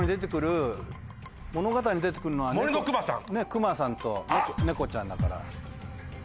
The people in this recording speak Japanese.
くまさんとねこちゃんだから。